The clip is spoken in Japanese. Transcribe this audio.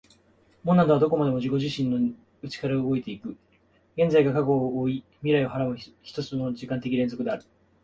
モナドはどこまでも自己自身の内から動いて行く、現在が過去を負い未来を孕はらむ一つの時間的連続である。